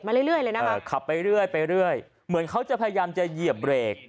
มาเรื่อยเลยนะครับไปเรื่อยเหมือนเขาจะพยายามจะเหยียบ